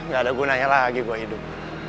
ga ada gunanya lagi gua hidup